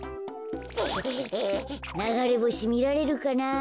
ながれぼしみられるかな。